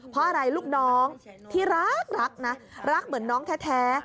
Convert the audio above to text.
เพราะอะไรลูกน้องที่รักรักนะรักเหมือนน้องแท้